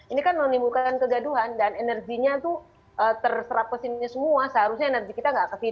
ini kan menimbulkan kegaduhan dan energinya tuh terserap kesini semua seharusnya energi kita nggak ke sini